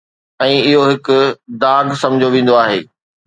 ۽ اهو هڪ داغ سمجهيو ويندو آهي.